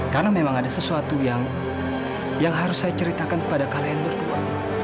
karena memang ada sesuatu yang harus saya ceritakan kepada kalian berdua